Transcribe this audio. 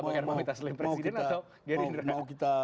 bagaimana meminta selim presiden atau gerindra